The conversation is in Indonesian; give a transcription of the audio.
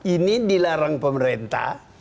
ini dilarang pemerintah